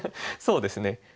そうですね。